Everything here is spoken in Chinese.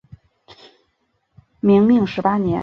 明命十八年。